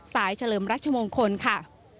สายเฉลิมรัชมงค์คนค่ะ